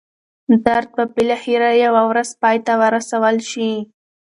درد به بالاخره یوه ورځ پای ته ورسول شي.